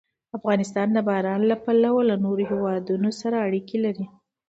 افغانستان د باران له پلوه له نورو هېوادونو سره اړیکې لري.